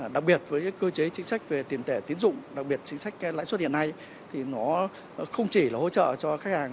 đặc biệt với cơ chế chính sách về tiền tệ tiến dụng đặc biệt chính sách lãi suất hiện nay thì nó không chỉ là hỗ trợ cho khách hàng